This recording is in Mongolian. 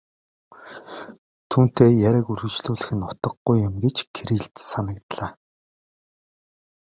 Түүнтэй яриаг үргэжлүүлэх нь утгагүй юм гэж Кириллд санагдлаа.